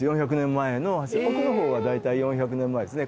奥の方は大体４００年前ですね。